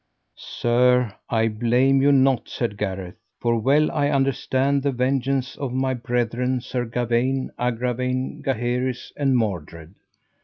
Sir, I blame you not, said Gareth, for well I understand the vengeance of my brethren Sir Gawaine, Agravaine, Gaheris, and Mordred.